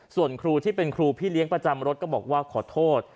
ส่วนครูที่เป็นครูพี่เลี้ยงประจำรถก็บอกว่าขอโทษ